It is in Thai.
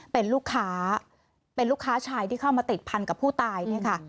เป็นลูกค้าเป็นลูกค้าชายที่เข้ามาติดพันกับผู้ตายเนี่ยค่ะ